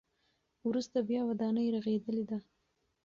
وروسته بیا ودانۍ رغېدلې ده.